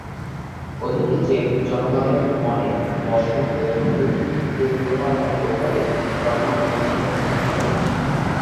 ওদিকে চেক জনগণের মনে বসন্তের নতুন ফুল ফোটার মতো করেই জন্ম নিয়েছিল নতুন আশা।